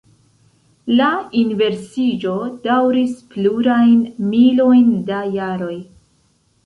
La inversiĝo daŭris plurajn milojn da jaroj.